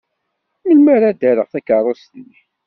Melmi ara d-rreɣ takeṛṛust-nni?